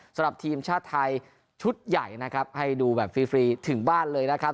สำหรับทีมชาติไทยชุดใหญ่นะครับให้ดูแบบฟรีถึงบ้านเลยนะครับ